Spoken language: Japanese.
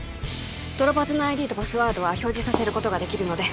ドロパズの ＩＤ とパスワードは表示させることができるので